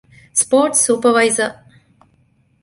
ސްޕޯޓްސް ސްޕަރވައިޒަރ